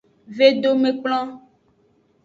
Vedomekplon.